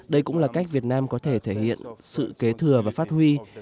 đây cũng là cách việt nam có thể thể hiện sự kế thừa và phát huy